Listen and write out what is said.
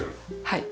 はい。